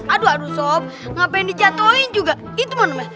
aduh aduh sob ngapain dijatohin juga itu mana mah